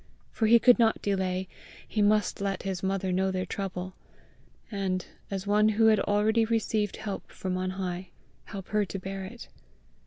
For he could not delay; he must let his mother know their trouble, and, as one who had already received help from on high, help her to bear it!